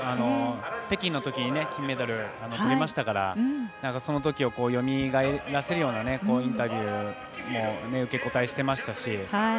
北京のときに金メダルとりましたからそのときをよみがえらせるようなインタビューの受け答えをしていましたし。